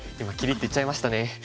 今切りって言っちゃいましたね。